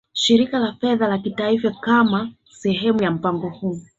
Shirika la Fedha la Kimataifa Kama sehemu ya mpango huu